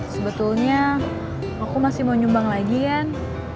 sebetulnya aku masih mau nyumbang lagi kan